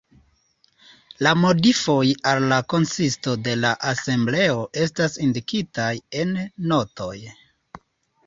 La modifoj al la konsisto de la Asembleo estas indikitaj en notoj.